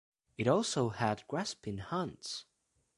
It also had grasping hands.